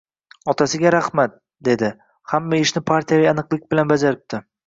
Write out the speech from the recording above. — Otasiga rahmat, — dedi. — Hamma ishni partiyaviy aniklik bilan bajaribdi.